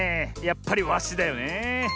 やっぱりワシだよねえ。